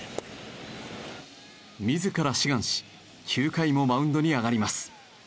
自ら志願し９回もマウンドに上がります。